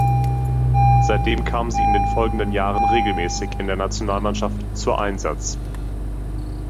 Seitdem kam sie in den folgenden Jahren regelmäßig in der Nationalmannschaft zur Einsatz.